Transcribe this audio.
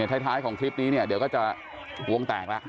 อ่าในท้ายของคลิปนี้เดี๋ยวจะหงวงแตกล่ะ